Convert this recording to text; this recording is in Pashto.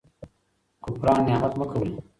کفران نعمت مه کوئ.